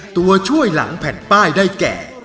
ตัวช่วยหลังแผ่นป้ายได้แก่